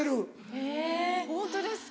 えぇホントですか。